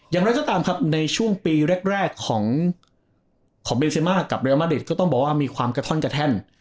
อย่างไรก็ตามครับในช่วงปีแรกของเบนเซมากับเรลมาริดก็ต้องบอกว่ามีความกระท่อนกระแท่น